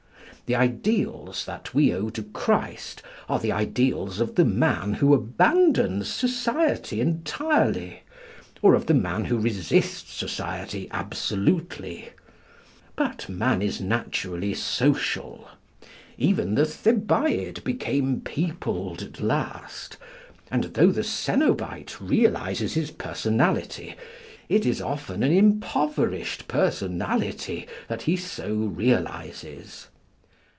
The ideals that we owe to Christ are the ideals of the man who abandons society entirely, or of the man who resists society absolutely. But man is naturally social. Even the Thebaid became peopled at last. And though the cenobite realises his personality, it is often an impoverished personality that he so realises.